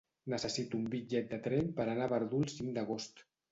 Necessito un bitllet de tren per anar a Verdú el cinc d'agost.